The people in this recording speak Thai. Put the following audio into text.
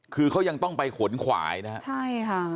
คือเขายังต้องไปขนขวายนะครับ